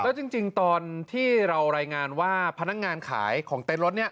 แล้วจริงตอนที่เรารายงานว่าพนักงานขายของเต็นต์รถเนี่ย